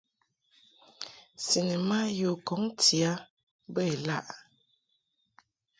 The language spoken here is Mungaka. Cinema yi u kɔŋ ti a bə ilaʼ ?